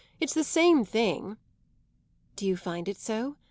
It's the same thing." "Do you find it so?